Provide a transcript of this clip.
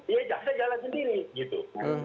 ya jaksa jalan sendiri gitu